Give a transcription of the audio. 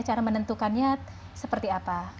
cara menentukannya seperti apa